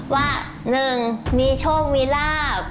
ว่าหนึ่งมีโชคมีราบ